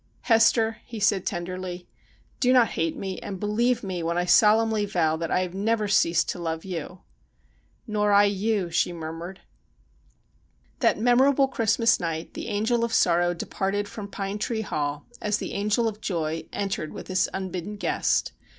Hester,' he said tenderly, ' do not hate me, and believe me when I solemnly vow that I have never ceased to love you.' ' Nor I you,' she murmured. That memorable Christmas night the Angel of Sorrow de parted from Pine Tree Hall, as the Angel of Joy entered with this unbidden guest.